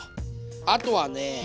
あとはね